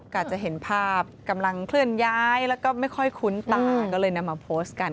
อาจจะเห็นภาพกำลังเคลื่อนย้ายแล้วก็ไม่ค่อยคุ้นตาก็เลยนำมาโพสต์กัน